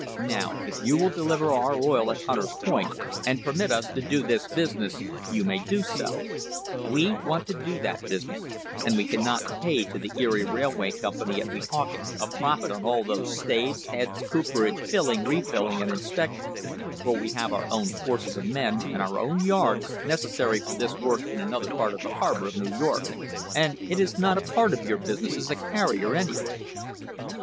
Now if you will deliver our oil at Hunter's Point and permit us to do this business, you may do so; we want to do that business, LAYING THE FOUNDATIONS OF A TRUST and we cannot pay to the Erie Railway Company at Wee hawken a profit on all of those staves, heads, cooperage, fill ing, refilling and inspection, for we have our own forces of men and our own yards necessary for this work in another part of the harbour of New York; and it is not a part of your business as a carrier, anyway.'